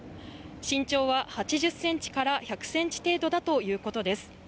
身長は８０ｃｍから１００ｃｍ程度だということです。